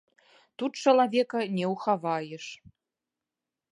Тут чалавека не ўхаваеш.